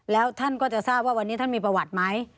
แล้วท่านก็จะทราบว่าวันนี้ท่านมีประวัติไหม